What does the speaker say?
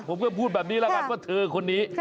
ผมก็พูดแบบนี้แล้วกันว่าเธอคนนี้